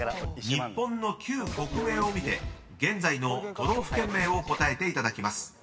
［日本の旧国名を見て現在の都道府県名を答えていただきます］